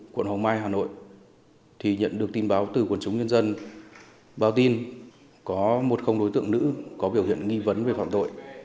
quận hoàng mai hà nội thì nhận được tin báo từ quần chúng nhân dân báo tin có một không đối tượng nữ có biểu hiện nghi vấn về phạm tội